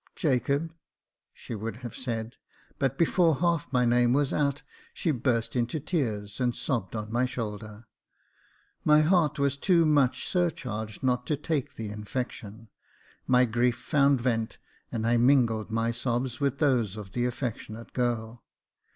" Jacob !" she would have said, but before half my name was out, she burst into tears, and sobbed on my shoulder. My heart was too much surcharged not to take the infection — my grief found vent, and I mingled my sobs with those of the affectionate girl.